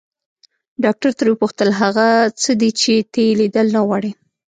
ډاکټر ترې وپوښتل هغه څه دي چې ته يې ليدل نه غواړې.